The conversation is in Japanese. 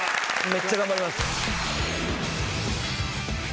めっちゃ頑張ります。